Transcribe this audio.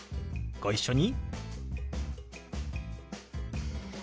ご一緒に。